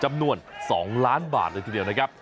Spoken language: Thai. จำนวน๒ล้านบาทเลยทีเดียวนะครับ